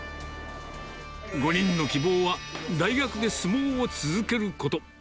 ５人の希望は、大学で相撲を続けること。